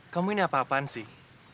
kamu ini apa apaan sih